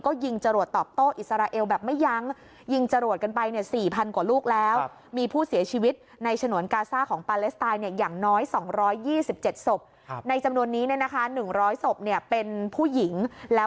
ก็ยิงจรวดตอบโต๊ะอิสราเอลแบบไม่ยั้ง